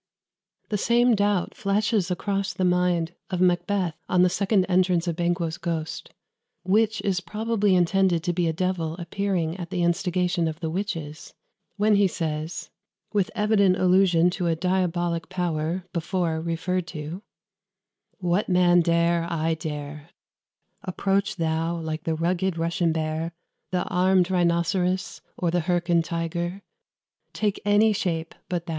" The same doubt flashes across the mind of Macbeth on the second entrance of Banquo's ghost which is probably intended to be a devil appearing at the instigation of the witches when he says, with evident allusion to a diabolic power before referred to "What man dare, I dare: Approach thou like the rugged Russian bear, The armed rhinoceros, or the Hyrcan tiger, Take any shape but that."